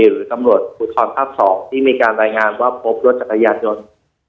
หรือตำรวจภูทรภาค๒ที่มีการรายงานว่าพบรถจักรยานยนต์